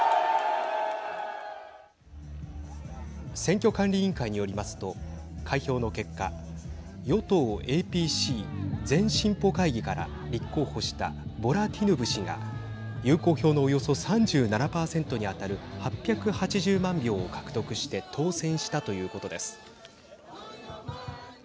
選挙管理委員会によりますと開票の結果与党ＡＰＣ＝全進歩会議から立候補したボラ・ティヌブ氏が有効票のおよそ３７％に当たる８８０万票を獲得して当選したということです。